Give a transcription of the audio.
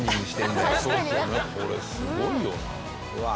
これすごいよな。